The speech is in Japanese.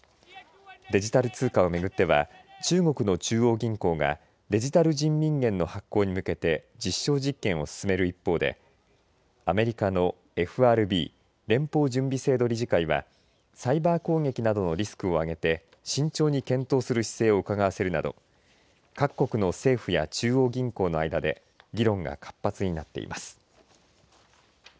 デジタル通貨をめぐっては中国の中央銀行がデジタル人民元の発行に向けて実証実験を進める一方でアメリカのＦＲＢ連邦準備制度理事会はサイバー攻撃などのリスクを挙げて慎重に検討する姿勢をうかがわせるなど各国の政府や中央銀行の間で議論が活発になっています。